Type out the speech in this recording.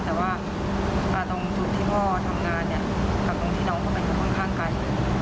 แต่ว่าตรงจุดที่พ่อทำงานเนี่ยกับตรงที่น้องเข้าไปอยู่ข้างไกล